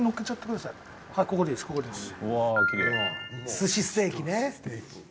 寿司ステーキね。